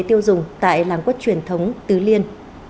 tiêu dùng tại làng quất truyền thống tứ liên